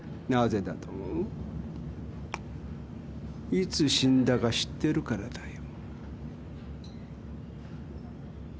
いつ死んだか知ってるからだよ。